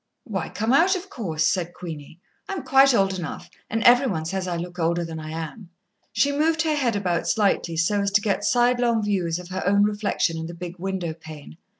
"Why, come out, of course," said Queenie. "I am quite old enough, and every one says I look older than I am." She moved her head about slightly so as to get sidelong views of her own reflection in the big window pane.